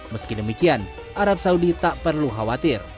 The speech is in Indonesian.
meski demikian arab saudi tak perlu khawatir